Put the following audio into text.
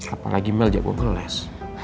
apalagi mel jadi gue ngeles